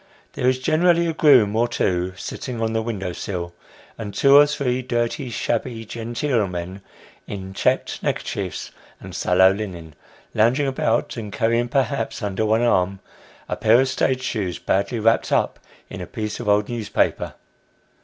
There is generally a groom or two, sitting on the window sill, and two or three dirty shabby genteel men in checked neckerchiefs, and sallow linen, lounging about, and carrying, perhaps, under one arm, a pair of stage shoes badly wrapped up in a piece of old newspaper.